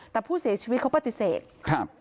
แต่ผู้เสียชีวิตเขาปฏิเสธครับ